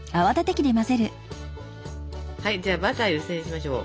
じゃあバター湯煎しましょう。